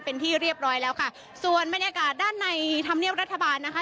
เป็นที่เรียบร้อยแล้วค่ะส่วนบรรยากาศด้านในธรรมเนียบรัฐบาลนะคะ